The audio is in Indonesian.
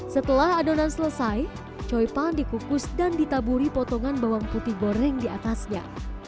setelah adonan selesai choy pan dikukus dan ditaburi potongan bawang putih goreng diatasnya